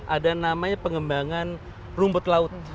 ada namanya pengembangan rumput laut